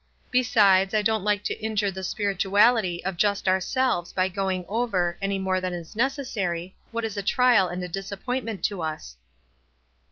Besides, I don't like to injure the spirituality of just ourselves by going over, any more than is necessary, what is a trial and a disappointment to us."